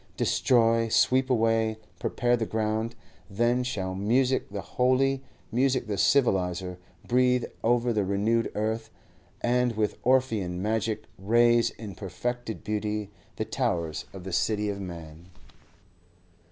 Destroy, sweep away, prepare the ground; then shall music the holy, music the civiliser, breathe over the renewed earth, and with Orphean magic raise in perfected beauty the towers of the City of Man.